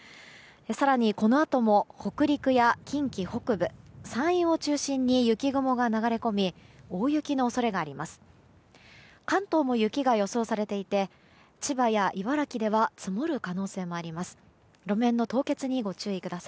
更に、このあとも北陸や近畿北部山陰を中心に雪雲が流れ込み大雪の恐れがあります。